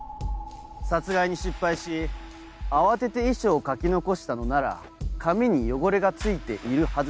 殺害に失敗し慌てて遺書を書き残したのなら紙に汚れが付いているはず